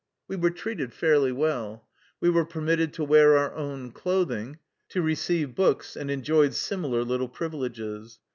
We were treated fairly well : we were permitted to wear our own clothing, to receive books, and enjoyed similar little privileges.